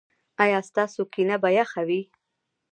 ایا ستاسو کینه به یخه وي؟